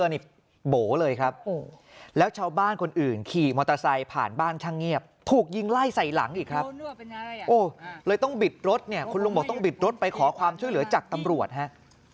โอ้โหเลยต้องบิดรถเนี่ยคุณลุงบอกต้องบิดรถปะขอความช่วยเหลือจากตำรวจครับ